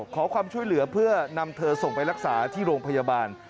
ขอความช่วยเหลือเพื่อนำเธอส่งไปรักษาที่โรงพยาบาล